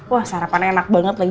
wah sarapannya enak banget lagi